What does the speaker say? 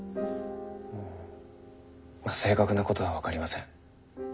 正確なことは分かりません。